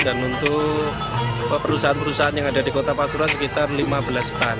dan untuk perusahaan perusahaan yang ada di kota pasuran sekitar lima belas stan